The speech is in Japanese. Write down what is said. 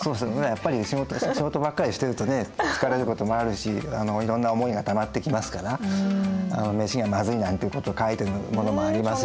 やっぱり仕事ばっかりしてるとね疲れることもあるしいろんな思いがたまってきますから「飯がまずい」なんていうことを書いてるものもありますし。